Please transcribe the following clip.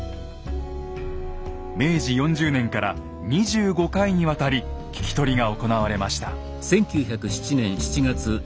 明治４０年から２５回にわたり聞き取りが行われました。